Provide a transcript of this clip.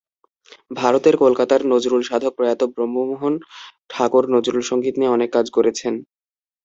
ভারতের কলকাতার নজরুল সাধক প্রয়াত ব্রহ্মমোহন ঠাকুর নজরুলসংগীত নিয়ে অনেক কাজ করেছেন।